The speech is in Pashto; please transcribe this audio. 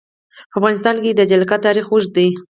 په افغانستان کې د جلګه تاریخ اوږد دی.